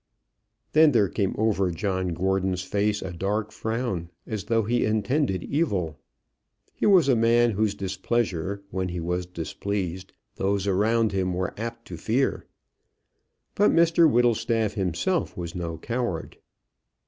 Then there came over John Gordon's face a dark frown, as though he intended evil. He was a man whose displeasure, when he was displeased, those around him were apt to fear. But Mr Whittlestaff himself was no coward.